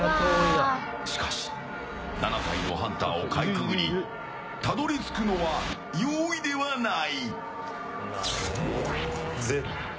しかし、７体のハンターをかいくぐりたどり着くのは容易ではない。